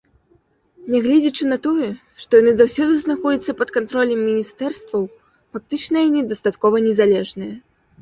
Нягледзячы на тое, што яны заўсёды знаходзяцца пад кантролем міністэрстваў, фактычна яны дастаткова незалежныя.